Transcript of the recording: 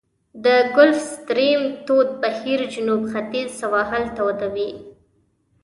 د ګلف ستریم تود بهیر جنوب ختیځ سواحل توده وي.